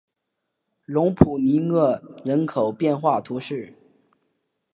隆普尼厄人口变化图示